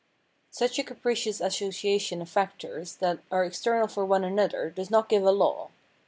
Such a capricious association of factors that are ex ternal for one another does not give a law.